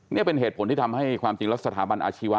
นี่เป็นเหตุผลที่ทำให้ความจริงแล้วสถาบันอาชีวะ